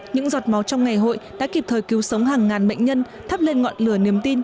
những giọt máu trong ngày hội đã kịp thời cứu sống hàng ngàn bệnh nhân thắp lên ngọn lửa niềm tin